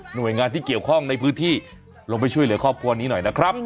หน่วยงานที่เกี่ยวข้องในพื้นที่ลงไปช่วยเหลือครอบครัวนี้หน่อยนะครับ